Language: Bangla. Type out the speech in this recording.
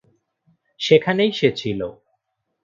সেখানেই সে ছিলো।